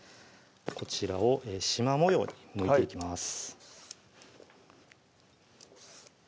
こちらをしま模様にむいていきます